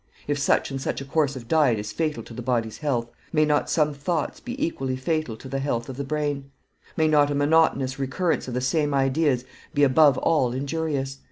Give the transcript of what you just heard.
If such and such a course of diet is fatal to the body's health, may not some thoughts be equally fatal to the health of the brain? may not a monotonous recurrence of the same ideas be above all injurious?